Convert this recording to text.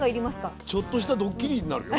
ちょっとしたドッキリになるよ。